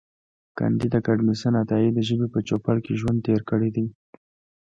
کانديد اکاډميسن عطایي د ژبې په چوپړ کې ژوند تېر کړی دی.